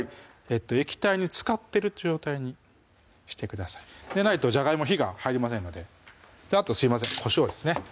液体につかってる状態にしてくださいでないとじゃがいも火が入りませんのであとすいませんこしょうですね